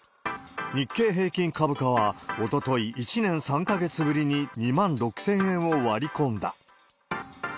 日経平均株価はおととい、１年３か月ぶりに２万６０００円を割り込んだ。